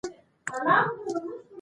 خو موږ تراوسه په دې نه پوهېدو